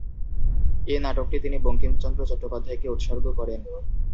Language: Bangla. এ নাটকটি তিনি বঙ্কিমচন্দ্র চট্টোপাধ্যায়কে উৎসর্গ করেন।